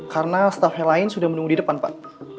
karena staff yang lain sudah menunggu di depan pak